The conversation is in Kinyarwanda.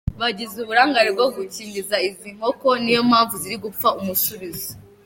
Bagize uburangare bwo gukingiza izi nkoko, ni yo mpamvu ziri gupfa umusubizo”.